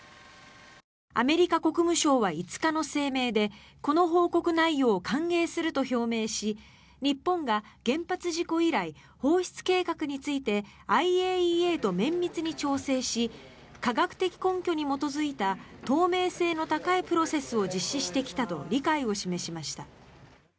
アメリカ国務省は５日の声明でこの報告内容を歓迎すると表明し日本が原発事故以来放出計画についてＩＡＥＡと綿密に調整し科学的根拠に基づいた透明性の高いプロセスを実施してきたと理解を示しました。